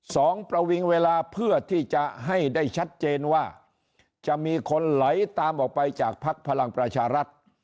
ประวิงเวลาเพื่อที่จะให้ได้ชัดเจนว่าจะมีคนไหลตามออกไปจากภักดิ์พลังประชารัฐ